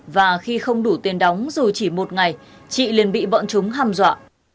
và khi không đủ tiền đóng dù chỉ một ngày chị liền bị bọn chúng hăm dọa